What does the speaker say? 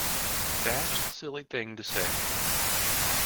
Dashed silly thing to say.